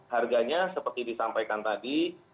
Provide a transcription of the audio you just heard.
harganya seperti disampaikan tadi